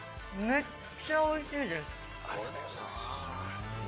めっちゃおいしいです。